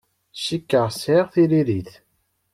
Cikkeɣ sɛiɣ tiririt.